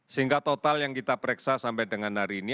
sehingga total yang kita pereksa sampai dengan hari ini